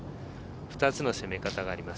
２つの攻め方があります。